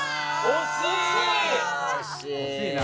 惜しいな。